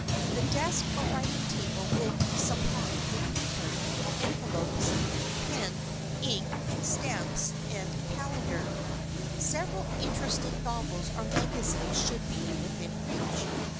The desk or writing table will be supplied with paper, envelopes, pens, ink, stamps and a calendar. Several interesting novels or magazines should be within reach.